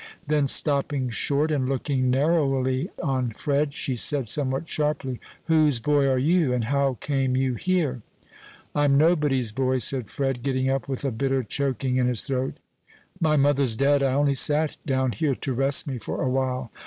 Then stopping short, and looking narrowly on Fred, she said, somewhat sharply, "Whose boy are you? and how came you here?" "I'm nobody's boy," said Fred, getting up, with a bitter choking in his throat; "my mother's dead; I only sat down here to rest me for a while."